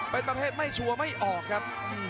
เป็นประเภทไม่ชัวร์ไม่ออกครับ